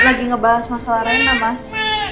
ini lagi ngebahas masalah rena mas